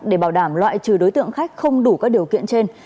để bảo đảm loại trừ đối tượng khách không đủ các điều kiện trên